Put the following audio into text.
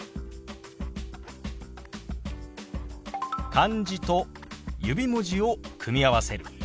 漢字と指文字を組み合わせる。